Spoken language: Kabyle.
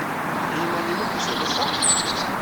I yiman-nnem ay d-tusiḍ ass-a?